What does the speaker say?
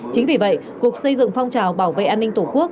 chính vì vậy cục xây dựng phong trào bảo vệ an ninh tổ quốc